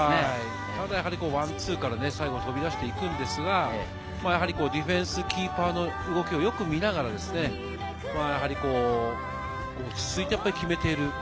ワンツーから最後飛び出していくんですが、ディフェンス、キーパーの動きをよく見ながら、落ち着いて決めている。